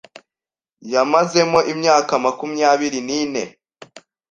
yamazemo imyaka makumyabiri nine